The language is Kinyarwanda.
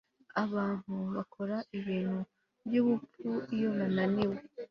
Abantu bakora ibintu byubupfu iyo bananiwe